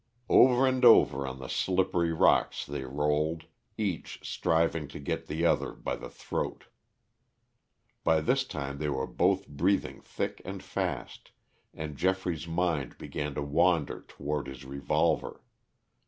Over and over on the slippery rocks they rolled, each striving to get the other by the throat. By this time they were both breathing thick and fast, and Geoffrey's mind began to wander toward his revolver.